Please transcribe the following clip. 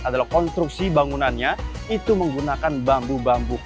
adalah konstruksi bangunannya itu menggunakan bambu bambu